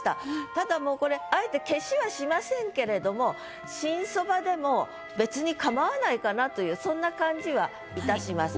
ただもうこれあえて消しはしませんけれども「新蕎麦」でも別にかまわないかなというそんな感じはいたします。